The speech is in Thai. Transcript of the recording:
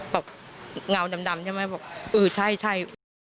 บอกเงาดำจังไมพี่บอกเออใช่